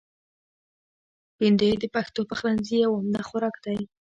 بېنډۍ د پښتو پخلنځي یو عمده خوراک دی